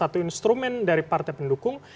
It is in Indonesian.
satu instrumen dari partai pendukung